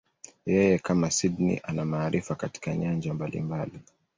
Yeye, kama Sydney, ana maarifa katika nyanja mbalimbali.